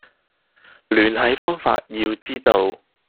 聯繫方法要知道